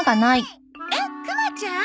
えっクマちゃん？